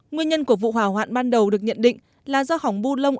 nguyên nhân của vụ hỏa hoạn ban đầu được nhận định là do hỏng bu lông